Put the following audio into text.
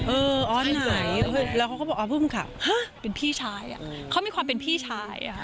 เออออสไหนแล้วเขาก็บอกออสพรุ่งค่ะเป็นพี่ชายอ่ะเขามีความเป็นพี่ชายอ่ะ